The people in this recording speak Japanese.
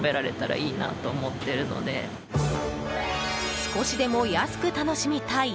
少しでも安く楽しみたい。